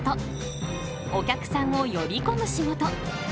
お客さんを呼びこむ仕事。